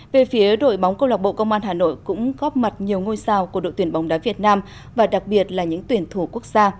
về phía đội bóng câu lạc bộ công an hà nội cũng góp mặt nhiều ngôi sao của đội tuyển bóng đá việt nam và đặc biệt là những tuyển thủ quốc gia